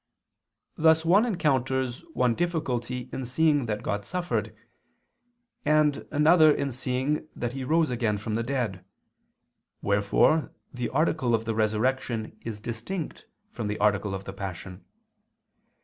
Thus one encounters one difficulty in seeing that God suffered, and another in seeing that He rose again from the dead, wherefore the article of the Resurrection is distinct from the article of the Passion.